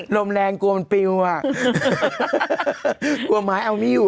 ลมแรงกลัวมันปิวอ่ะกลัวไม้เอาไม่อยู่